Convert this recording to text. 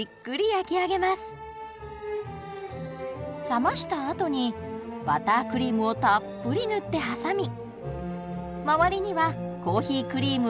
冷ましたあとにバタークリームをたっぷり塗って挟みまわりにはコーヒークリームを塗ります。